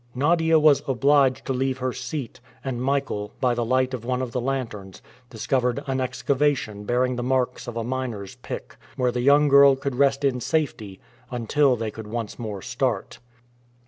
Nadia was obliged to leave her seat, and Michael, by the light of one of the lanterns, discovered an excavation bearing the marks of a miner's pick, where the young girl could rest in safety until they could once more start.